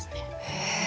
へえ。